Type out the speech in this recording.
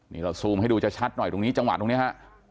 นี่เราซูมให้ดูจะชัดหน่อยตรงนี้จังหวะตรงนี้ฮะ